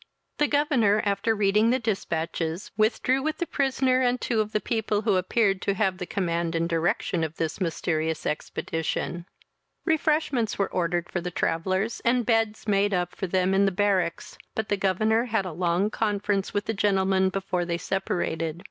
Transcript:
The governor, after reading the dispatches, withdrew with the prisoner and two of the people, who appeared to have the command and direction of this mysterious expedition. Refreshments were ordered for the travellers, and beds made up for them in the barracks; but the governor had a long conference with the gentlemen before they separated.